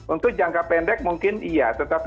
untuk jangka pendek mungkin iya tetapi